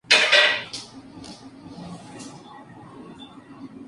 Preceden a las "Variaciones sobre un tema de Paganini", op.